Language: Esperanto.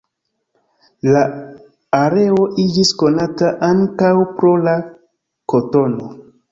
La areo iĝis konata ankaŭ pro la kotono.